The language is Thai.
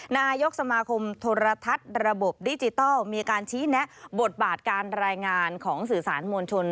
นายกสมาคมโทรทัศน์ระบบดิจิทัลมีการชี้แนะบทบาทการรายงานของสื่อสารมวลชน